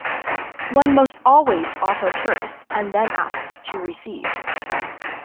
One most always offer first and then asks to receive.